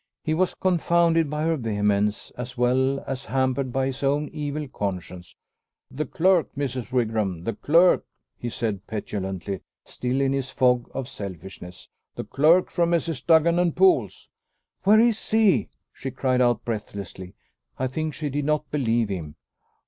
He was confounded by her vehemence, as well as hampered by his own evil conscience. "The clerk, Mrs. Wigram, the clerk," he said petulantly, still in his fog of selfishness. "The clerk from Messrs. Duggan and Poole's." "Where is he?" she cried out breathlessly. I think she did not believe him.